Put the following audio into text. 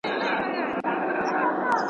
څه غزل څه قصیده وای.